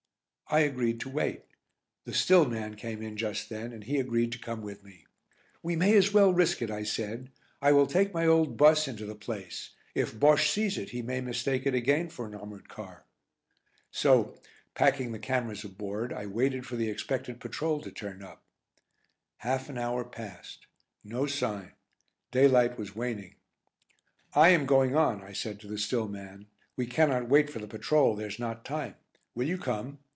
I agreed to wait, the "still" man came in just then, and he agreed to come with me. "We may as well risk it," I said. "I will take my old bus into the place. If Bosche sees it he may mistake it again for an armoured car." So, packing the cameras aboard, I waited for the expected patrol to turn up. Half an hour passed; no sign. Daylight was waning. "I am going on," I said to the "still" man, "we cannot wait for the patrol, there's not time. Will you come?"